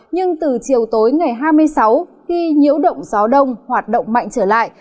nhưng từ chiều tối ngày hai mươi sáu khi nhiễu động gió đông hoạt động mạnh trở lại